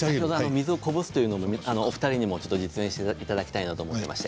水をこぼすというのをお二人に実演していただきたいと思います。